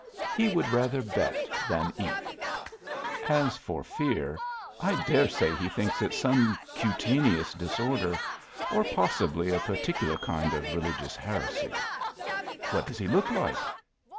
"He would rather bet than eat. As for fear I dare say he thinks it some cutaneous disorder, or possibly a particular kind of religious heresy." "What does he look like?"